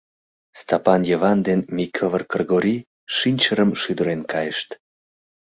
Стапан Йыван ден Микывыр Кргори шинчырым шӱдырен кайышт.